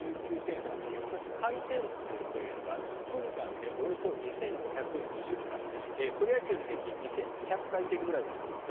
そして、回転数というのが１分間でおよそ２５２０回プロ野球の平均２２００回転ぐらいだそうです。